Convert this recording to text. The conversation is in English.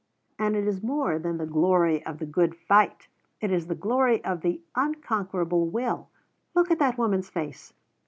And it is more than the glory of the good fight. It is the glory of the unconquerable will. Look at the woman's face!